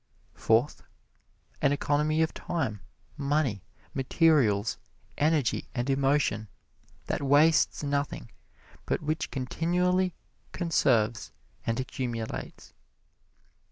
Fourth, An economy of time, money, materials, energy and emotion that wastes nothing, but which continually conserves and accumulates.